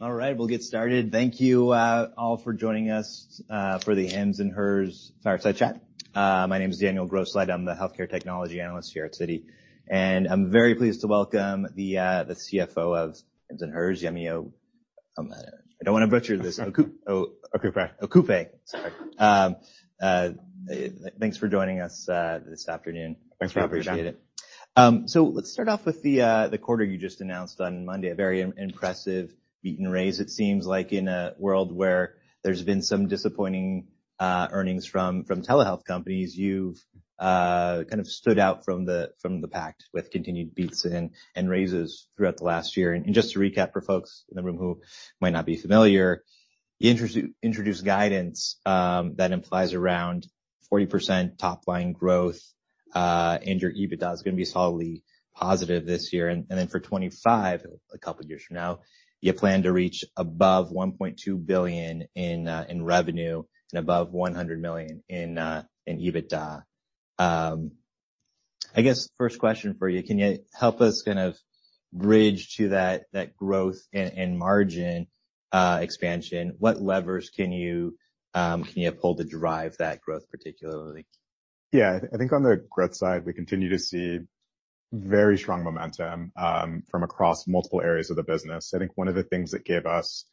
All right, we'll get started. Thank you, all for joining us, for the Hims and Hers fireside chat. My name is Daniel Grosslight. I'm the healthcare technology analyst here at Citi. I'm very pleased to welcome the CFO of Hims and Hers, Yemi O-. I don't want to butcher this. Oku-O-. Okupe. Okupe. Sorry. Thanks for joining us, this afternoon. Thanks for having me, Dan. I appreciate it. Let's start off with the quarter you just announced on Monday. A very impressive beat and raise, it seems like in a world where there's been some disappointing earnings from telehealth companies. You've kind of stood out from the pack with continued beats and raises throughout the last year. Just to recap for folks in the room who might not be familiar, you introduced guidance that implies around 40% top line growth, and your EBITDA is going to be solidly positive this year. For 2025, a couple of years from now, you plan to reach above $1.2 billion in revenue and above $100 million in EBITDA. I guess first question for you, can you help us kind of bridge to that growth and margin expansion? What levers can you, can you pull to drive that growth particularly? Yeah, I think on the growth side, we continue to see very strong momentum, from across multiple areas of the business. I think one of the things that gave us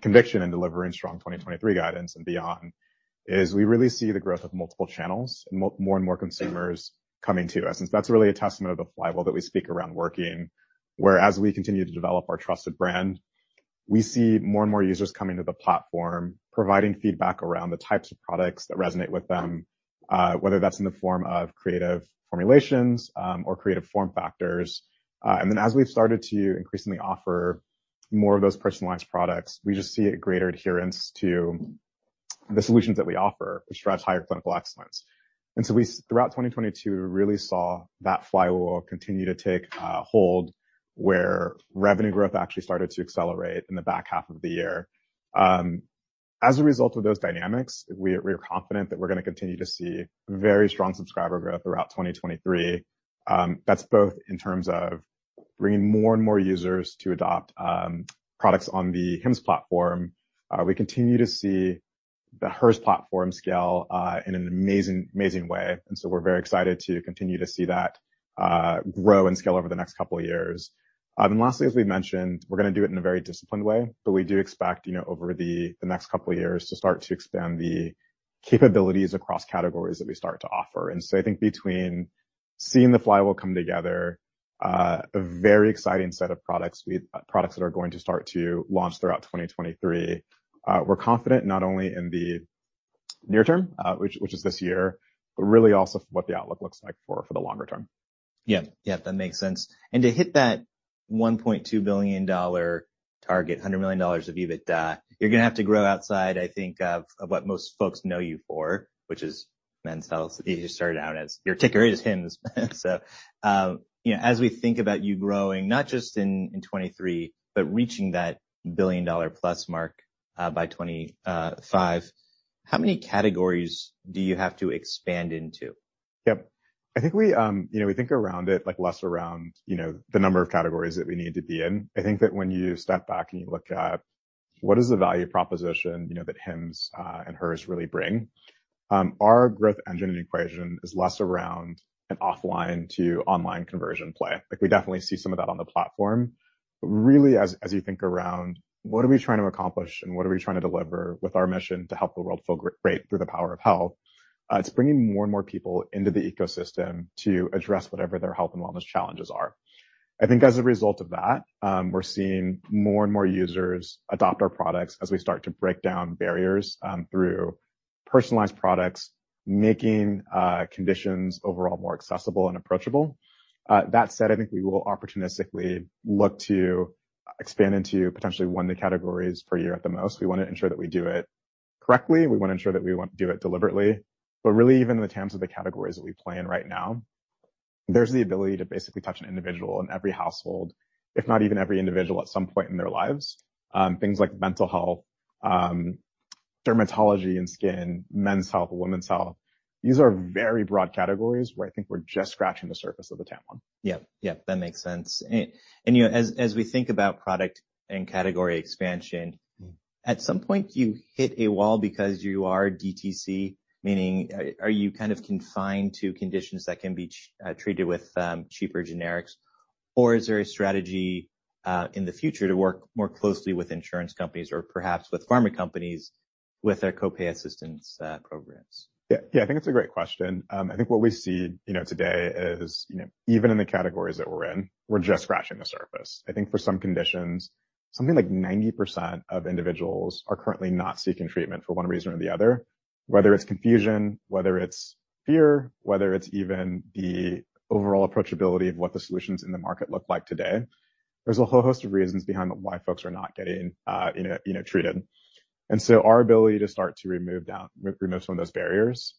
conviction in delivering strong 2023 guidance and beyond is we really see the growth of multiple channels and more and more consumers coming to us. That's really a testament of the flywheel that we speak around working, where as we continue to develop our trusted brand, we see more and more users coming to the platform, providing feedback around the types of products that resonate with them, whether that's in the form of creative formulations, or creative form factors. Then as we've started to increasingly offer more of those personalized products, we just see a greater adherence to the solutions that we offer, which drives higher clinical excellence. We really saw that flywheel continue to take hold where revenue growth actually started to accelerate in the back half of the year. As a result of those dynamics, we're confident that we're going to continue to see very strong subscriber growth throughout 2023. That's both in terms of bringing more and more users to adopt products on the Hims platform. We continue to see the Hers platform scale in an amazing way, we're very excited to continue to see that grow and scale over the next couple of years. Lastly, as we mentioned, we're going to do it in a very disciplined way. We do expect, you know, over the next couple of years to start to expand the capabilities across categories that we start to offer. I think between seeing the flywheel come together, a very exciting set of products that are going to start to launch throughout 2023, we're confident not only in the near term, which is this year, but really also what the outlook looks like for the longer term. Yeah. Yeah, that makes sense. To hit that $1.2 billion target, $100 million of EBITDA, you're going to have to grow outside, I think of what most folks know you for, which is men's health. You started out your ticker is Hims. You know, as we think about you growing, not just in 2023, but reaching that $1 billion plus mark by 2025, how many categories do you have to expand into? Yep. I think we, you know, we think around it, like less around, you know, the number of categories that we need to be in. I think that when you step back and you look at what is the value proposition, you know, that Hims and Hers really bring, our growth engine and equation is less around an offline to online conversion play. Like we definitely see some of that on the platform. Really, as you think around what are we trying to accomplish and what are we trying to deliver with our mission to help the world feel great through the power of health, it's bringing more and more people into the ecosystem to address whatever their health and wellness challenges are. I think as a result of that, we're seeing more and more users adopt our products as we start to break down barriers through personalized products, making conditions overall more accessible and approachable. That said, I think we will opportunistically look to expand into potentially 1 of the categories per year at the most. We want to ensure that we do it correctly. We want to ensure that we do it deliberately. Really, even in the TAMs of the categories that we play in right now, there's the ability to basically touch an individual in every household, if not even every individual at some point in their lives. Things like mental health, dermatology and skin, men's health, women's health. These are very broad categories where I think we're just scratching the surface of the TAM on. Yeah. Yeah, that makes sense. You know, as we think about product and category expansion, at some point you hit a wall because you are DTC, meaning are you kind of confined to conditions that can be treated with cheaper generics? Or is there a strategy in the future to work more closely with insurance companies or perhaps with pharma companies with their co-pay assistance programs? Yeah. Yeah, I think it's a great question. I think what we see, you know, today is, you know, even in the categories that we're in, we're just scratching the surface. I think for some conditions, something like 90% of individuals are currently not seeking treatment for one reason or the other. Whether it's confusion, whether it's fear, whether it's even the overall approachability of what the solutions in the market look like today. There's a whole host of reasons behind why folks are not getting, you know, treated. Our ability to start to remove some of those barriers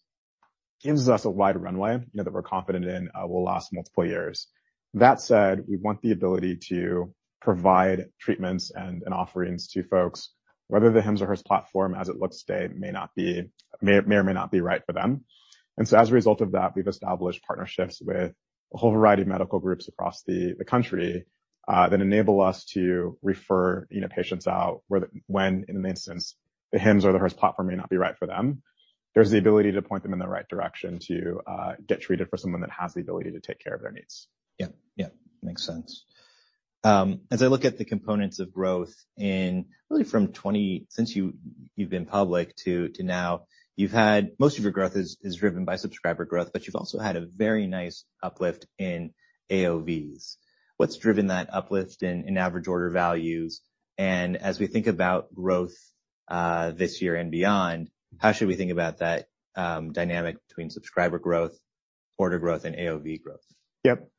gives us a wide runway, you know, that we're confident in, will last multiple years. That said, we want the ability to provide treatments and offerings to folks. Whether the Hims or Hers platform as it looks today may or may not be right for them. As a result of that, we've established partnerships with a whole variety of medical groups across the country that enable us to refer, you know, patients out when in an instance the Hims or the Hers platform may not be right for them. There's the ability to point them in the right direction to get treated for someone that has the ability to take care of their needs. Yeah, yeah. Makes sense. As I look at the components of growth in really from since you've been public to now, you've had most of your growth is driven by subscriber growth, but you've also had a very nice uplift in AOVs. What's driven that uplift in average order values? As we think about growth, this year and beyond, how should we think about that dynamic between subscriber growth, order growth, and AOV growth? Yep.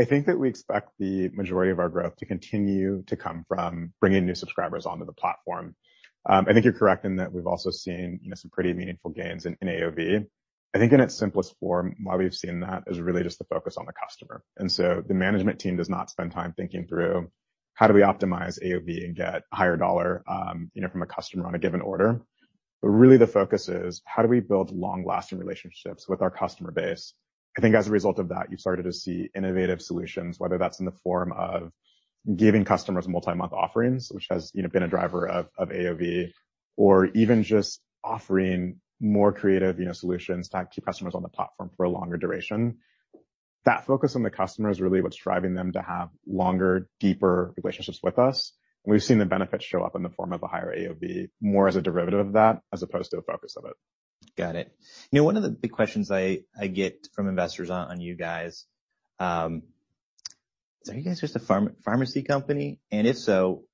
I think that we expect the majority of our growth to continue to come from bringing new subscribers onto the platform. I think you're correct in that we've also seen, you know, some pretty meaningful gains in AOV. I think in its simplest form, why we've seen that is really just the focus on the customer. The management team does not spend time thinking through how do we optimize AOV and get higher dollar, you know, from a customer on a given order. Really the focus is how do we build long-lasting relationships with our customer base. I think as a result of that, you've started to see innovative solutions, whether that's in the form of giving customers multi-month offerings, which has, you know, been a driver of AOV, or even just offering more creative, you know, solutions to keep customers on the platform for a longer duration. That focus on the customer is really what's driving them to have longer, deeper relationships with us. We've seen the benefits show up in the form of a higher AOV, more as a derivative of that, as opposed to a focus of it. Got it. You know, one of the big questions I get from investors on you guys, are you guys just a pharmacy company? If so,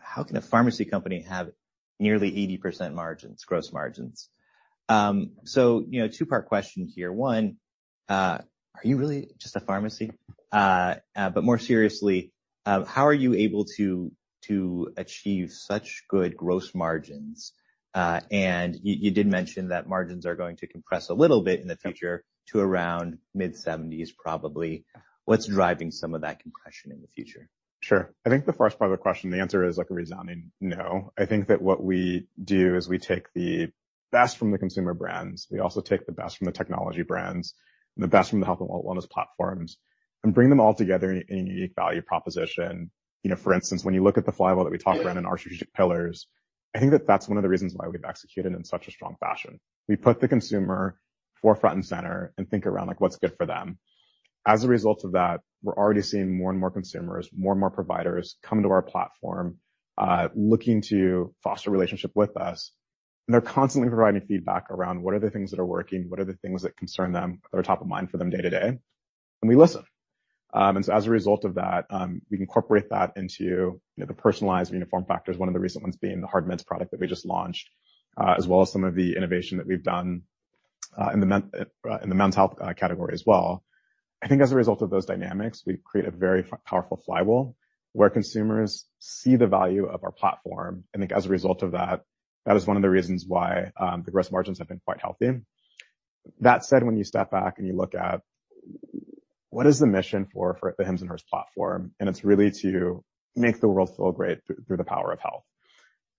how can a pharmacy company have nearly 80% margins, gross margins? You know, two-part question here. One, are you really just a pharmacy? More seriously, how are you able to achieve such good gross margins? You did mention that margins are going to compress a little bit in the future to around mid-70s%, probably. What's driving some of that compression in the future? Sure. I think the first part of the question, the answer is like a resounding no. I think that what we do is we take the best from the consumer brands. We also take the best from the technology brands and the best from the health and wellness platforms and bring them all together in a unique value proposition. You know, for instance, when you look at the flywheel that we talk about in our strategic pillars, I think that that's one of the reasons why we've executed in such a strong fashion. We put the consumer forefront and center and think around like what's good for them. As a result of that, we're already seeing more and more consumers, more and more providers come to our platform, looking to foster a relationship with us. They're constantly providing feedback around what are the things that are working, what are the things that concern them that are top of mind for them day to day, and we listen. As a result of that, we incorporate that into, you know, the personalized uniform factors, one of the recent ones being the Hard Mints product that we just launched, as well as some of the innovation that we've done in the men's health category as well. I think as a result of those dynamics, we create a very powerful flywheel where consumers see the value of our platform. I think as a result of that is one of the reasons why the gross margins have been quite healthy. That said, when you step back and you look at what is the mission for the Hims & Hers platform, and it's really to make the world feel great through the power of health.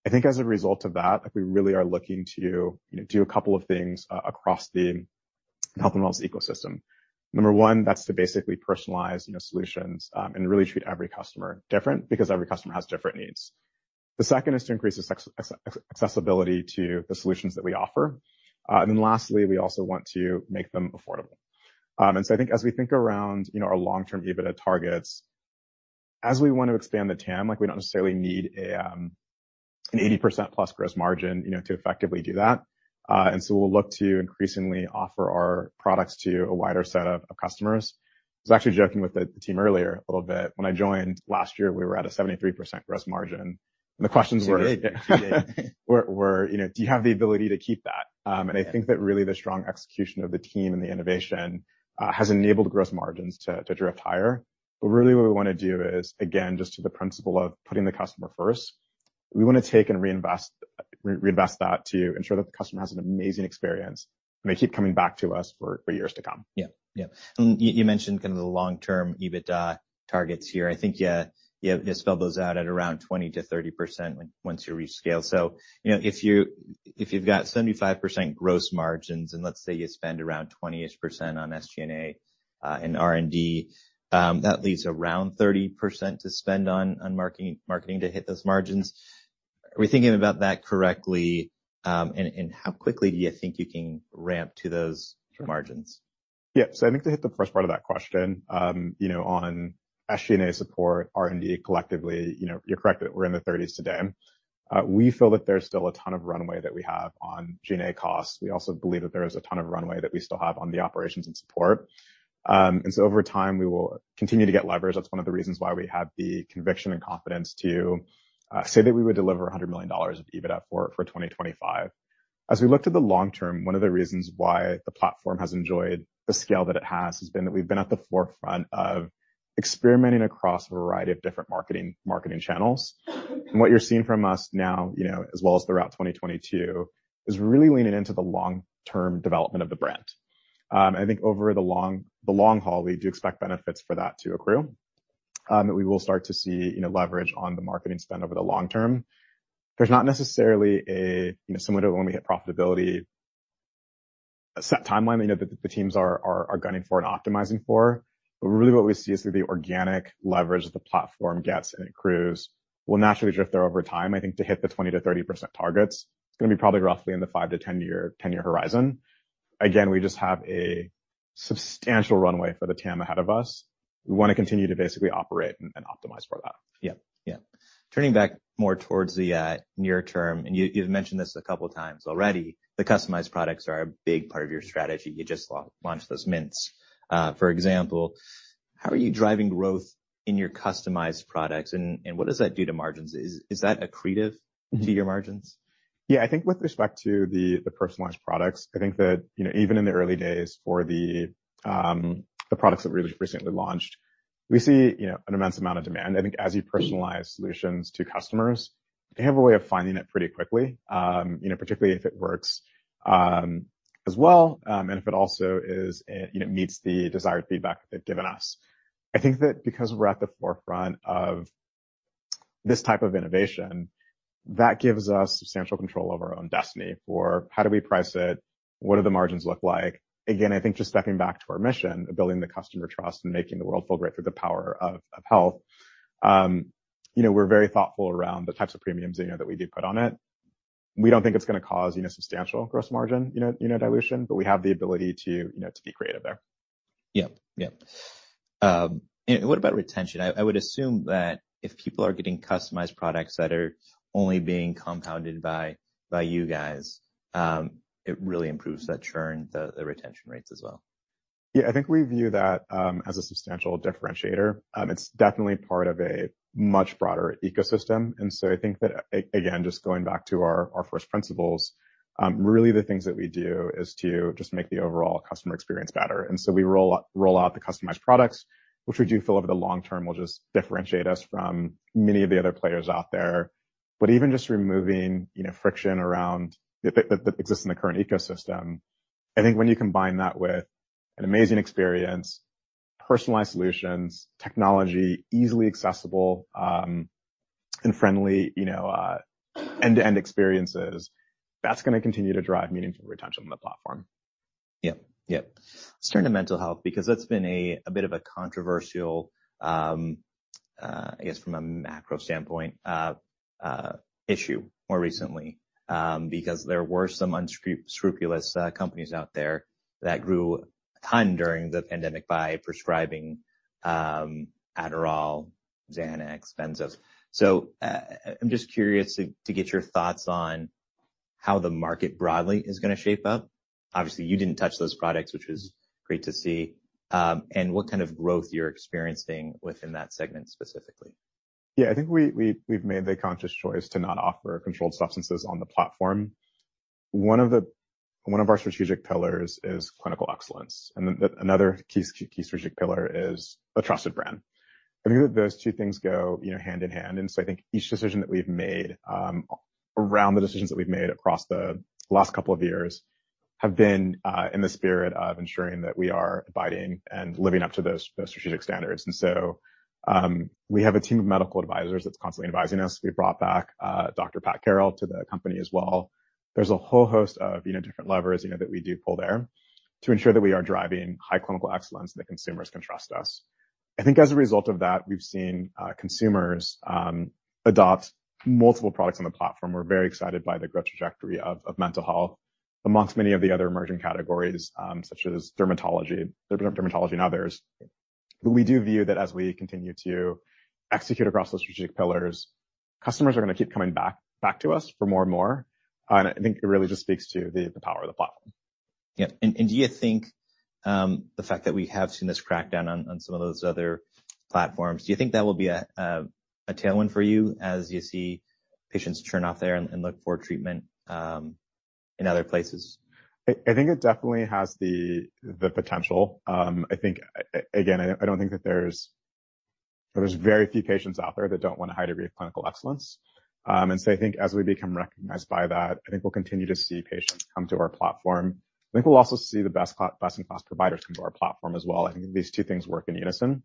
I think as a result of that, like we really are looking to, you know, do a couple of things across the health and wellness ecosystem. Number one, that's to basically personalize, you know, solutions, and really treat every customer different because every customer has different needs. The second is to increase accessibility to the solutions that we offer. Lastly, we also want to make them affordable. I think as we think around, you know, our long-term EBITDA targets, as we want to expand the TAM, like we don't necessarily need a 80% plus gross margin, you know, to effectively do that. We'll look to increasingly offer our products to a wider set of customers. I was actually joking with the team earlier a little bit. When I joined last year, we were at a 73% gross margin. The questions were. Too big. Were, you know, do you have the ability to keep that? I think that really the strong execution of the team and the innovation has enabled gross margins to drift higher. Really what we wanna do is, again, just to the principle of putting the customer first, we wanna take and reinvest, re-reinvest that to ensure that the customer has an amazing experience, and they keep coming back to us for years to come. Yeah. Yeah. You, you mentioned kind of the long-term EBITDA targets here. I think you spelled those out at around 20%-30% on-once you reach scale. You know, if you've got 75% gross margins, and let's say you spend around 20-ish% on SG&A, and R&D, that leaves around 30% to spend on marketing to hit those margins. Are we thinking about that correctly? And how quickly do you think you can ramp to those margins? I think to hit the first part of that question, you know, on SG&A support, R&D collectively, you know, you're correct that we're in the 30s today. We feel that there's still a ton of runway that we have on G&A costs. We also believe that there is a ton of runway that we still have on the operations and support. Over time, we will continue to get leverage. That's one of the reasons why we have the conviction and confidence to say that we would deliver $100 million of EBITDA for 2025. As we look to the long term, one of the reasons why the platform has enjoyed the scale that it has been that we've been at the forefront of experimenting across a variety of different marketing channels. What you're seeing from us now, you know, as well as the route 2022, is really leaning into the long-term development of the brand. I think over the long haul, we do expect benefits for that to accrue. We will start to see, you know, leverage on the marketing spend over the long term. There's not necessarily a, you know, similar to when we hit profitability, a set timeline that, you know, the teams are gunning for and optimizing for. Really what we see is through the organic leverage the platform gets and it accrues will naturally drift there over time. I think to hit the 20%-30% targets, it's gonna be probably roughly in the 5 to 10-year horizon. Again, we just have a substantial runway for the TAM ahead of us. We want to continue to basically operate and optimize for that. Yeah. Yeah. Turning back more towards the near term, and you've mentioned this a couple times already, the customized products are a big part of your strategy. You just launched those mints, for example. How are you driving growth in your customized products and what does that do to margins? Is that accretive to your margins? I think with respect to the personalized products, I think that, you know, even in the early days for the products that we just recently launched, we see, you know, an immense amount of demand. I think as you personalize solutions to customers, they have a way of finding it pretty quickly. You know, particularly if it works as well, and if it also is, you know, meets the desired feedback they've given us. I think that because we're at the forefront of this type of innovation, that gives us substantial control of our own destiny for how do we price it, what do the margins look like. Again, I think just stepping back to our mission of building the customer trust and making the world feel great through the power of health, you know, we're very thoughtful around the types of premiums, you know, that we do put on it. We don't think it's gonna cause, you know, substantial gross margin, you know, dilution, but we have the ability to, you know, to be creative there. Yeah. Yeah. What about retention? I would assume that if people are getting customized products that are only being compounded by you guys, it really improves that churn, the retention rates as well. Yeah. I think we view that as a substantial differentiator. It's definitely part of a much broader ecosystem, I think that again, just going back to our first principles, really the things that we do is to just make the overall customer experience better. We roll out the customized products, which we do feel over the long term will just differentiate us from many of the other players out there. Even just removing, you know, friction around that exists in the current ecosystem, I think when you combine that with an amazing experience, personalized solutions, technology, easily accessible, and friendly, you know, end-to-end experiences, that's gonna continue to drive meaningful retention on the platform. Yep. Let's turn to mental health, because that's been a bit of a controversial, I guess from a macro standpoint, issue more recently, because there were some scrupulous companies out there that grew a ton during the pandemic by prescribing Adderall, Xanax, Benzos. I'm just curious to get your thoughts on how the market broadly is gonna shape up. Obviously, you didn't touch those products, which was great to see, and what kind of growth you're experiencing within that segment specifically. Yeah. I think we've made the conscious choice to not offer controlled substances on the platform. One of our strategic pillars is clinical excellence. Another key strategic pillar is a trusted brand. I think that those two things go, you know, hand in hand, so I think each decision that we've made around the decisions that we've made across the last couple of years have been in the spirit of ensuring that we are abiding and living up to those strategic standards. We have a team of medical advisors that's constantly advising us. We brought back Dr. Pat Carroll to the company as well. There's a whole host of, you know, different levers, you know, that we do pull there to ensure that we are driving high clinical excellence, and that consumers can trust us. I think as a result of that, we've seen consumers adopt multiple products on the platform. We're very excited by the growth trajectory of mental health amongst many of the other emerging categories, such as dermatology and others. We do view that as we continue to execute across those strategic pillars, customers are gonna keep coming back to us for more and more. I think it really just speaks to the power of the platform. Yeah. Do you think, the fact that we have seen this crackdown on some of those other platforms, do you think that will be a tailwind for you as you see patients churn off there and look for treatment, in other places? I think it definitely has the potential. I think again, I don't think that there's very few patients out there that don't want a high degree of clinical excellence. I think as we become recognized by that, I think we'll continue to see patients come to our platform. I think we'll also see the best in class providers come to our platform as well. I think these two things work in unison.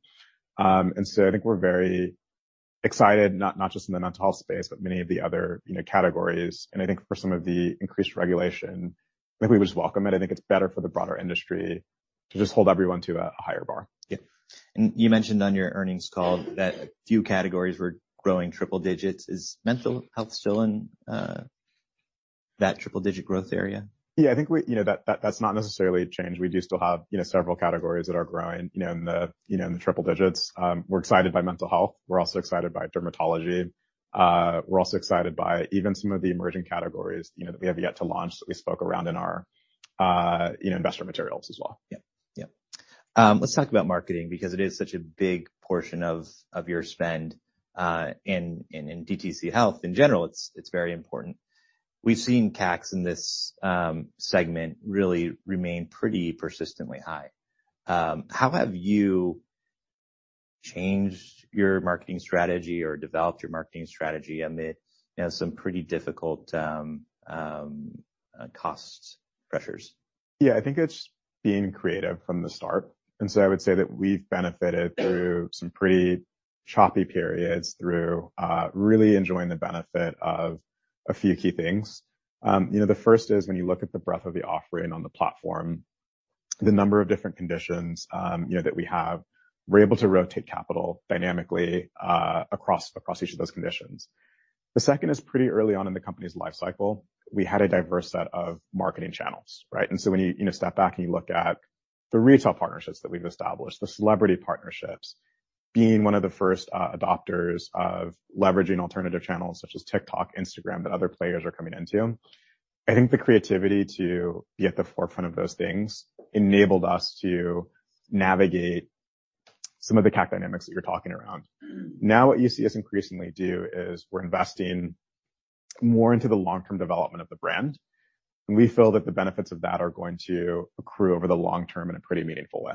I think we're very excited, not just in the mental health space, but many of the other, you know, categories. I think for some of the increased regulation, I think we just welcome it. I think it's better for the broader industry to just hold everyone to a higher bar. Yeah. You mentioned on your earnings call that a few categories were growing triple digits. Is mental health still in that triple digit growth area? Yeah, I think we, you know, that's not necessarily a change. We do still have, you know, several categories that are growing, you know, in the triple digits. We're excited by mental health. We're also excited by dermatology. We're also excited by even some of the emerging categories, you know, that we have yet to launch that we spoke around in our, you know, investor materials as well. Yeah. Yeah. let's talk about marketing because it is such a big portion of your spend, in DTC health. In general, it's very important. We've seen CACs in this segment really remain pretty persistently high. How have you changed your marketing strategy or developed your marketing strategy amid, you know, some pretty difficult costs pressures? Yeah, I think it's being creative from the start. I would say that we've benefited through some pretty choppy periods through really enjoying the benefit of a few key things. You know, the first is when you look at the breadth of the offering on the platform, the number of different conditions, you know, that we have, we're able to rotate capital dynamically across each of those conditions. The second is pretty early on in the company's life cycle, we had a diverse set of marketing channels, right? When you know, step back and you look at the retail partnerships that we've established, the celebrity partnerships, being one of the first adopters of leveraging alternative channels such as TikTok, Instagram, that other players are coming into, I think the creativity to be at the forefront of those things enabled us to navigate some of the CAC dynamics that you're talking around. Now, what you see us increasingly do is we're investing more into the long-term development of the brand. We feel that the benefits of that are going to accrue over the long term in a pretty meaningful way.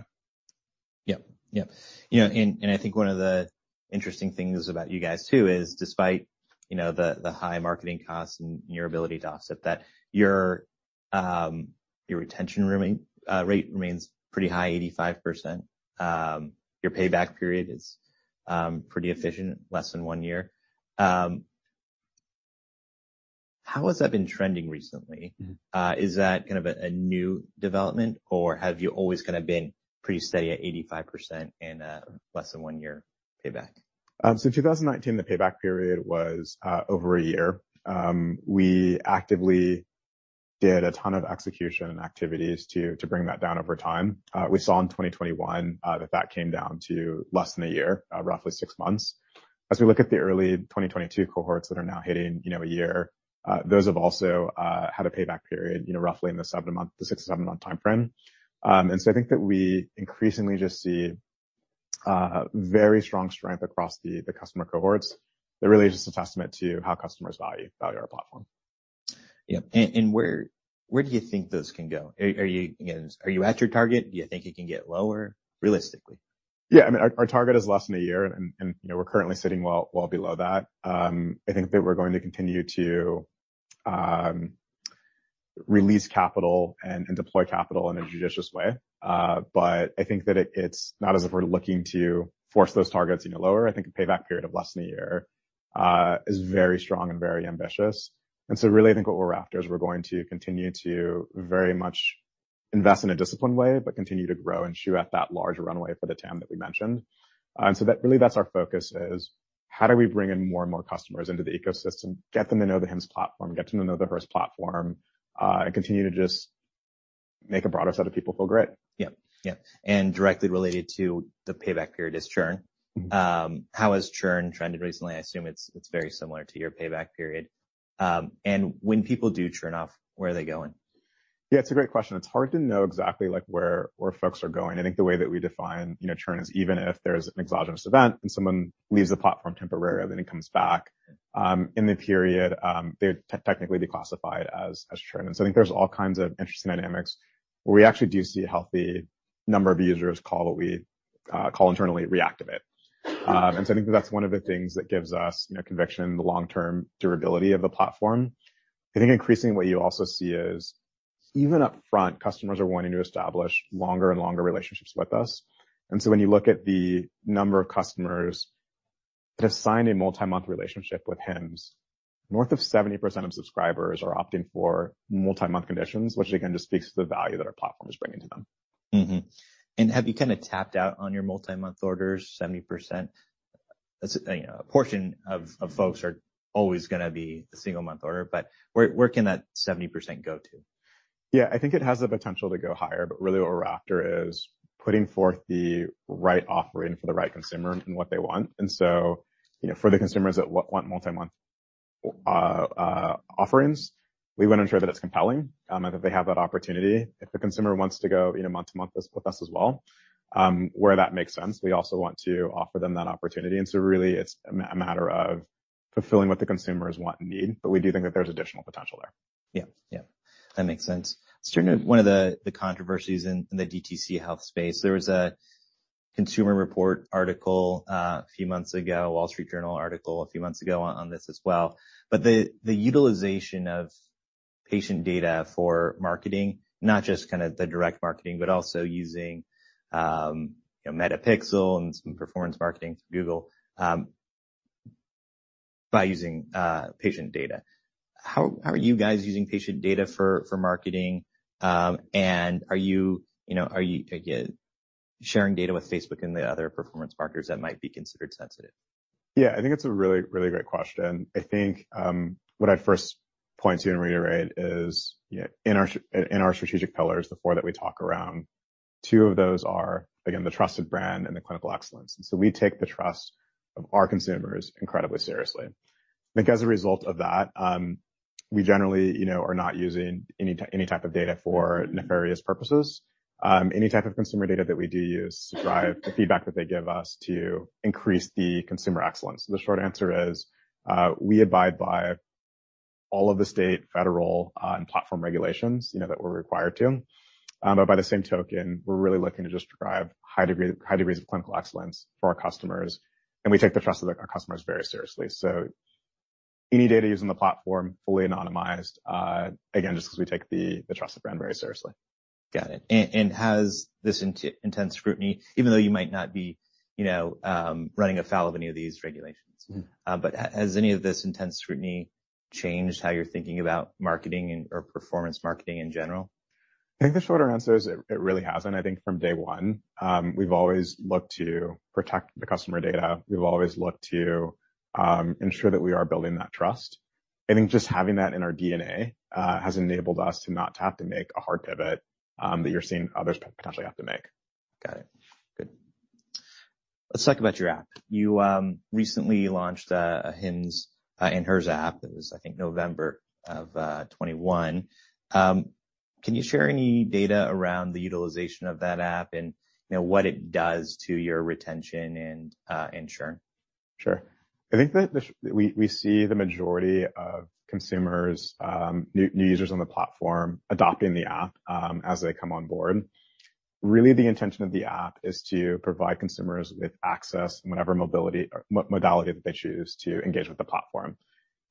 Yep. Yep. You know, and I think one of the interesting things about you guys too is despite, you know, the high marketing costs and your ability to offset that, your retention rate remains pretty high, 85%. Your payback period is pretty efficient, less than one year. How has that been trending recently? Mm-hmm. Is that kind of a new development or have you always kinda been pretty steady at 85% and less than 1 year payback? In 2019, the payback period was over a year. We actively did a ton of execution and activities to bring that down over time. We saw in 2021, that came down to less than a year, roughly 6 months. As we look at the early 2022 cohorts that are now hitting, you know, a year, those have also had a payback period, you know, roughly in the 6-7-month timeframe. I think that we increasingly just see very strong strength across the customer cohorts that really is just a testament to how customers value our platform. Yeah. Where do you think those can go? Are you at your target? Do you think it can get lower realistically? Yeah. I mean our target is less than 1 year and, you know, we're currently sitting well below that. I think that we're going to continue to release capital and deploy capital in a judicious way. I think that it's not as if we're looking to force those targets any lower. I think a payback period of less than 1 year is very strong and very ambitious. Really I think what we're after is we're going to continue to very much invest in a disciplined way, but continue to grow and chew at that larger runway for the TAM that we mentioned. That really, that's our focus is how do we bring in more and more customers into the ecosystem, get them to know the Hims platform, get them to know the Hers platform, and continue to just make a broader set of people feel great. Yeah. Yeah. directly related to the payback period is churn. Mm-hmm. How has churn trended recently? I assume it's very similar to your payback period. When people do churn off, where are they going? Yeah, it's a great question. It's hard to know exactly like where folks are going. I think the way that we define, you know, churn is even if there's an exogenous event and someone leaves the platform temporarily, then it comes back in the period, they'd technically be classified as churn. I think there's all kinds of interesting dynamics where we actually do see a healthy number of users call what we call internally reactivate. I think that that's one of the things that gives us, you know, conviction in the long-term durability of the platform. I think increasingly what you also see is even upfront, customers are wanting to establish longer and longer relationships with us. When you look at the number of customers that have signed a multi-month relationship with Hims, north of 70% of subscribers are opting for multi-month conditions, which again, just speaks to the value that our platform is bringing to them. Mm-hmm. Have you kinda tapped out on your multi-month orders, 70%? That's, you know, a portion of folks are always gonna be the single-month order, but where can that 70% go to? Yeah. I think it has the potential to go higher, but really what we're after is putting forth the right offering for the right consumer and what they want. You know, for the consumers that want multi-month offerings, we wanna ensure that it's compelling and that they have that opportunity. If the consumer wants to go, you know, month to month as with us as well, where that makes sense, we also want to offer them that opportunity. Really it's a matter of fulfilling what the consumers want and need, but we do think that there's additional potential there. Yeah. Yeah. That makes sense. Turning to one of the controversies in the DTC health space, there was a Consumer Reports article, a few months ago, Wall Street Journal article a few months ago on this as well. The, the utilization of patient data for marketing, not just kinda the direct marketing, but also using, you know, Meta Pixel and some performance marketing through Google, by using, patient data. How are you guys using patient data for marketing? Are you know, are you, again, sharing data with Facebook and the other performance marketers that might be considered sensitive? Yeah, I think it's a really great question. I think, what I'd first point to and reiterate is, you know, in our strategic pillars, the four that we talk around, two of those are again, the trusted brand and the clinical excellence. We take the trust of our consumers incredibly seriously. I think as a result of that, we generally, you know, are not using any type of data for nefarious purposes. Any type of consumer data that we do use to drive the feedback that they give us to increase the consumer excellence. The short answer is, we abide by all of the state, federal, and platform regulations, you know, that we're required to. By the same token, we're really looking to just drive high degrees of clinical excellence for our customers. We take the trust of our customers very seriously. Any data using the platform fully anonymized, again, just 'cause we take the trust of brand very seriously. Got it. Has this intense scrutiny, even though you might not be, you know, running afoul of any of these regulations? Mm-hmm. But has any of this intense scrutiny changed how you're thinking about marketing and/or performance marketing in general? I think the shorter answer is it really hasn't. I think from day one, we've always looked to protect the customer data. We've always looked to, ensure that we are building that trust. I think just having that in our DNA, has enabled us to not have to make a hard pivot, that you're seeing others potentially have to make. Got it. Good. Let's talk about your app. You recently launched a Hims & Hers app. It was, I think, November of 2021. Can you share any data around the utilization of that app and, you know, what it does to your retention and churn? Sure. I think that we see the majority of consumers, new users on the platform adopting the app, as they come on board. Really, the intention of the app is to provide consumers with access in whatever modality that they choose to engage with the platform.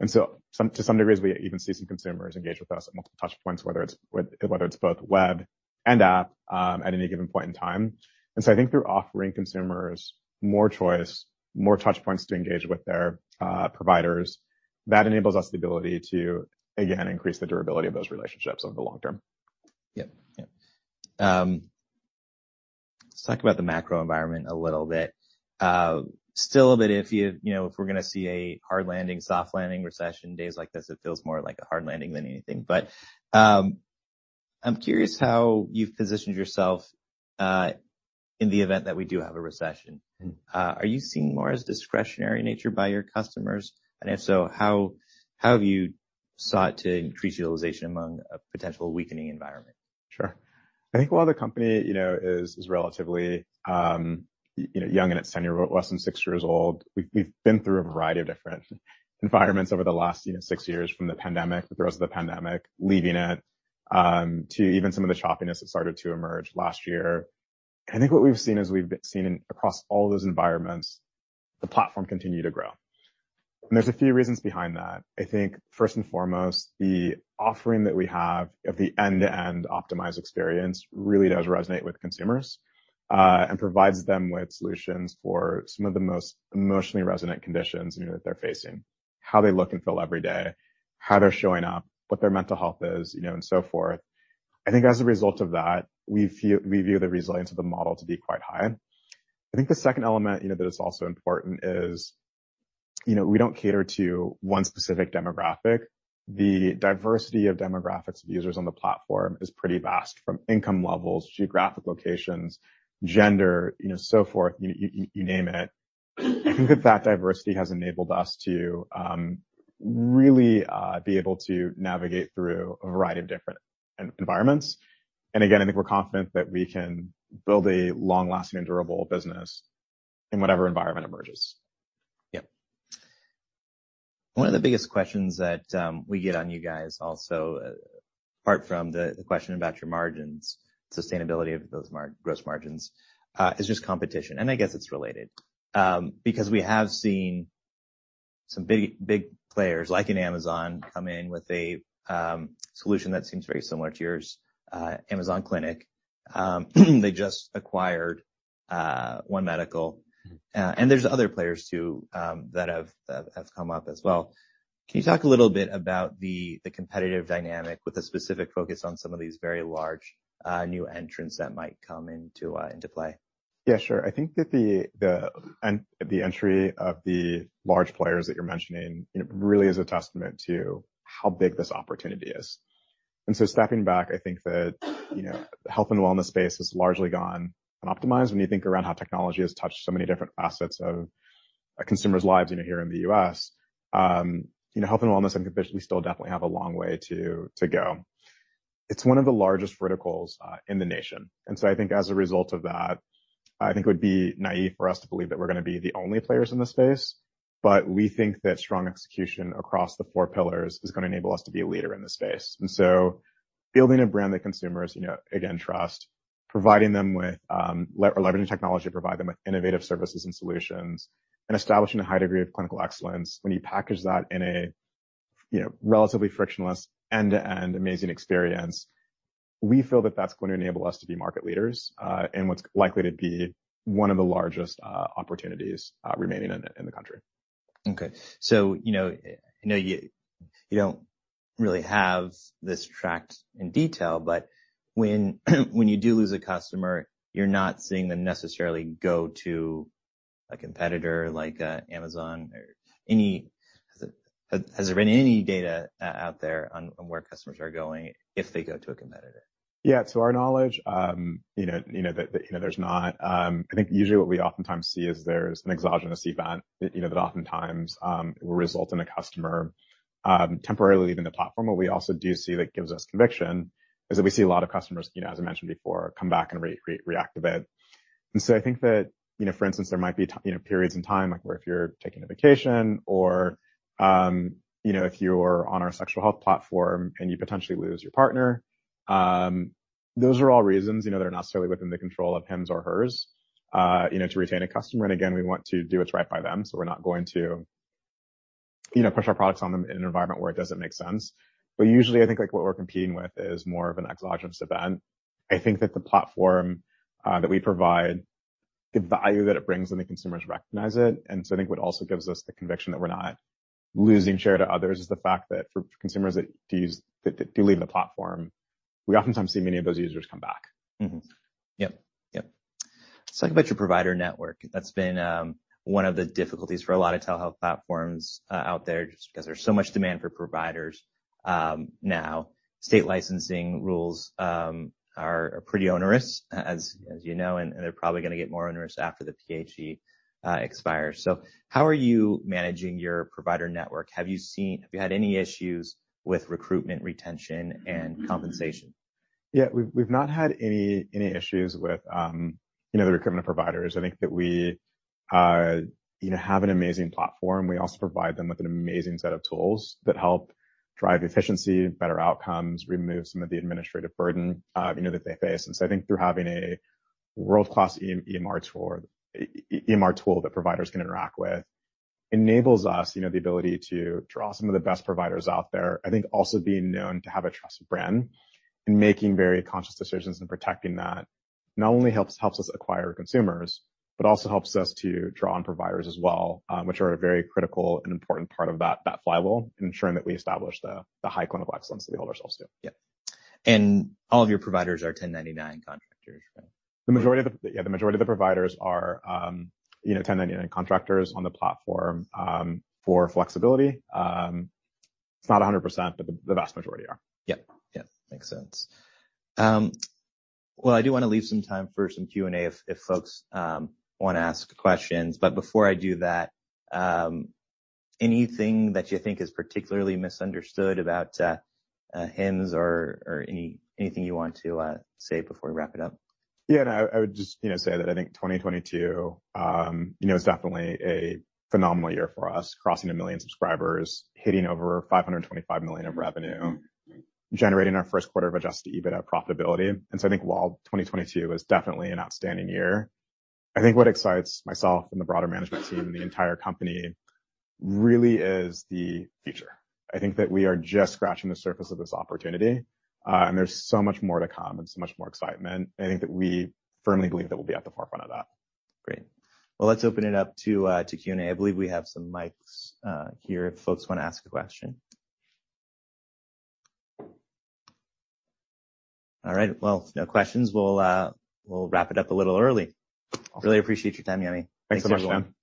To some degree, we even see some consumers engage with us at multiple touchpoints, whether it's both web and app, at any given point in time. I think through offering consumers more choice, more touchpoints to engage with their providers, that enables us the ability to, again, increase the durability of those relationships over the long term. Yep. Yep. Let's talk about the macro environment a little bit. Still a bit iffy. You know, if we're gonna see a hard landing, soft landing recession. Days like this, it feels more like a hard landing than anything. I'm curious how you've positioned yourself in the event that we do have a recession. Mm-hmm. Are you seeing more as discretionary nature by your customers? If so, how have you sought to increase utilization among a potential weakening environment? Sure. I think while the company, you know, is relatively, you know, young in its tenure, less than six years old, we've been through a variety of different environments over the last, you know, six years from the pandemic, the throes of the pandemic, leaving it, to even some of the choppiness that started to emerge last year. I think what we've seen across all those environments, the platform continue to grow. There's a few reasons behind that. I think first and foremost, the offering that we have of the end-to-end optimized experience really does resonate with consumers, and provides them with solutions for some of the most emotionally resonant conditions, you know, that they're facing. How they look and feel every day, how they're showing up, what their mental health is, you know, and so forth. I think as a result of that, we view the resilience of the model to be quite high. I think the second element, you know, that is also important is, you know, we don't cater to one specific demographic. The diversity of demographics of users on the platform is pretty vast, from income levels, geographic locations, gender, you know, so forth. You name it. I think that diversity has enabled us to really be able to navigate through a variety of different environments. Again, I think we're confident that we can build a long-lasting and durable business in whatever environment emerges. Yep. One of the biggest questions that we get on you guys also, apart from the question about your margins, sustainability of those gross margins, is just competition, and I guess it's related. We have seen some big, big players like an Amazon come in with a solution that seems very similar to yours, Amazon Clinic. They just acquired One Medical, and there's other players too, that have come up as well. Can you talk a little bit about the competitive dynamic with a specific focus on some of these very large new entrants that might come into into play? Yeah, sure. I think that the entry of the large players that you're mentioning, it really is a testament to how big this opportunity is. Stepping back, I think that, you know, health and wellness space has largely gone and optimized when you think around how technology has touched so many different facets of a consumer's lives, you know, here in the U.S. You know, health and wellness, I think we still definitely have a long way to go. It's one of the largest verticals in the nation. I think as a result of that, I think it would be naive for us to believe that we're gonna be the only players in this space. We think that strong execution across the four pillars is gonna enable us to be a leader in this space. Building a brand that consumers, you know, again, trust, providing them with, leveraging technology to provide them with innovative services and solutions, and establishing a high degree of clinical excellence, when you package that in a, you know, relatively frictionless end-to-end amazing experience, we feel that that's going to enable us to be market leaders, in what's likely to be one of the largest opportunities remaining in the country. you know, I know you don't really have this tracked in detail, but when you do lose a customer, you're not seeing them necessarily go to a competitor like Amazon or. Has there been any data out there on where customers are going if they go to a competitor? To our knowledge, you know, there's not. I think usually what we oftentimes see is there's an exogenous event, you know, that oftentimes will result in a customer temporarily leaving the platform. What we also do see that gives us conviction is that we see a lot of customers, you know, as I mentioned before, come back and reactivate. I think that, you know, for instance, there might be you know, periods in time, like where if you're taking a vacation or, you know, if you're on our sexual health platform and you potentially lose your partner. Those are all reasons, you know, that are necessarily within the control of Hims or Hers, you know, to retain a customer. Again, we want to do what's right by them, so we're not going to, you know, push our products on them in an environment where it doesn't make sense. Usually I think like what we're competing with is more of an exogenous event. I think that the platform that we provide, the value that it brings when the consumers recognize it, I think what also gives us the conviction that we're not losing share to others is the fact that for consumers that do leave the platform, we oftentimes see many of those users come back. Let's talk about your provider network. That's been one of the difficulties for a lot of telehealth platforms out there just because there's so much demand for providers now. State licensing rules are pretty onerous as you know, and they're probably gonna get more onerous after the PHE expires. How are you managing your provider network? Have you had any issues with recruitment, retention and compensation? Yeah. We've not had any issues with, you know, the recruitment of providers. I think that we, you know, have an amazing platform. We also provide them with an amazing set of tools that help drive efficiency, better outcomes, remove some of the administrative burden, you know, that they face. I think through having a world-class EMR tool that providers can interact with enables us, you know, the ability to draw some of the best providers out there. I think also being known to have a trusted brand and making very conscious decisions and protecting that not only helps us acquire consumers, but also helps us to draw on providers as well, which are a very critical and important part of that flywheel in ensuring that we establish the high clinical excellence that we hold ourselves to. Yeah. All of your providers are 1099 contractors, right? Yeah, the majority of the providers are, you know, 1099 contractors on the platform, for flexibility. It's not 100%, but the vast majority are. Yep. Yep. Makes sense. Well, I do wanna leave some time for some Q&A if folks, wanna ask questions. Before I do that, anything that you think is particularly misunderstood about Hims or anything you want to say before we wrap it up? Yeah. No, I would just, you know, say that I think 2022, you know, is definitely a phenomenal year for us, crossing 1 million subscribers, hitting over $525 million of revenue, generating our 1st quarter of adjusted EBITDA profitability. I think while 2022 was definitely an outstanding year, I think what excites myself and the broader management team and the entire company really is the future. I think that we are just scratching the surface of this opportunity, and there's so much more to come and so much more excitement. I think that we firmly believe that we'll be at the forefront of that. Great. Let's open it up to Q&A. I believe we have some mics here if folks wanna ask a question. All right. If no questions, we'll wrap it up a little early. Really appreciate your time, Yemi. Thanks so much, Dan.